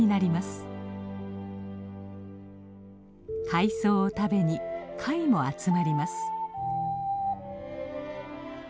海藻を食べに貝も集まります。